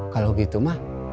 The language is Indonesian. kalau gitu mah